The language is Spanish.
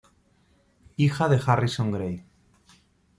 Hija de Harrison Grey.